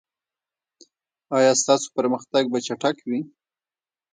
ایا ستاسو پرمختګ به چټک وي؟